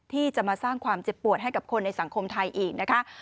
ที่จะมาสร้างความเจ็บปวดให้กับคนในสังคมไทยอีกนะคะ